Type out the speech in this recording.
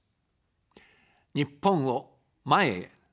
日本を、前へ。